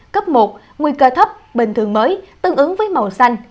cấp một nguy cơ thấp bình thường mới tương ứng với màu xanh